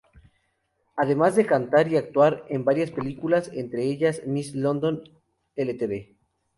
Además de cantar y actuar en varias películas, entre ellas "Miss London Ltd.